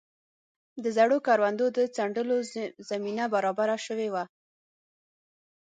د زړو ګردونو د څنډلو زمینه برابره شوې وه.